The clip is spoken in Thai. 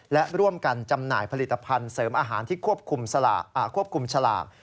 และร่วมกันจำหน่ายผลิตภัณฑ์เสริมอาหารที่ควบคุมฉลาก